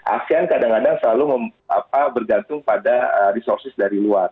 asean kadang kadang selalu bergantung pada resources dari luar